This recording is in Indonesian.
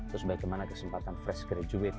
terus bagaimana kesempatan fresh graduate